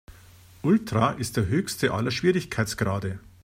Ultra ist der höchste aller Schwierigkeitsgrade.